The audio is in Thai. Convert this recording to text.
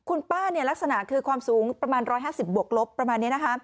คุณป้าลักษณะคือความสูงประมาณ๑๕๐บวกลบประมาณนี้นะคะ